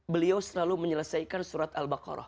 beliau selalu menyelesaikan surat al baqarah